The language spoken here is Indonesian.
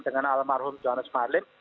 yang almarhum jonas marlin